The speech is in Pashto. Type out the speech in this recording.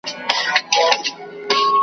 د ښکاری هم حوصله پر ختمېدو وه .